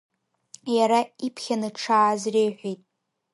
Иара иԥхьаны дшааз реиҳәеит.